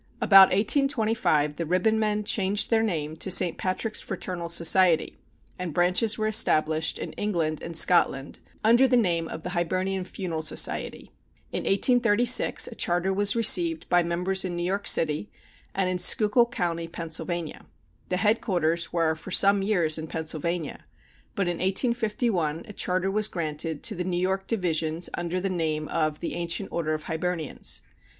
About 1825 the Ribbonmen changed their name to St. Patrick's Fraternal Society, and branches were established in England and Scotland under the name of the Hibernian Funeral Society. In 1836 a charter was received by members in New York City, and in Schuylkill County, Pennsylvania. The headquarters were for some years in Pennsylvania, but in 1851 a charter was granted to the New York Divisions under the name of "The Ancient Order of Hibernians."